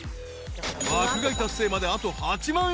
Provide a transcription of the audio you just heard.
爆買い達成まであと８万円］